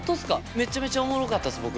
めちゃめちゃおもろかったっす僕。